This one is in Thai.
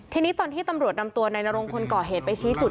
ทีนี้ตอนที่ตำรวจนำตัวนายนรงคนก่อเหตุไปชี้จุด